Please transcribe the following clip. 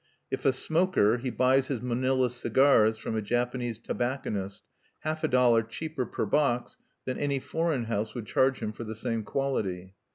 If a smoker, he buys his Manila cigars from a Japanese tobacconist half a dollar cheaper per box than any foreign house would charge him for the same quality.